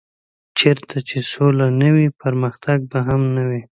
چېرته چې سوله نه وي پرمختګ به هم نه وي.